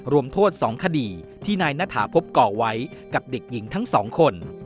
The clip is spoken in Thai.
รวมโทษ๒คดีที่นายณฐาพบก่อไว้กับเด็กหญิงทั้งสองคน